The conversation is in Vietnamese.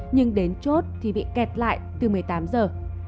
nhưng đến chốt thì bị kẹt lại từ một mươi tám giờ